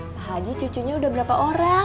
pak haji cucunya udah berapa orang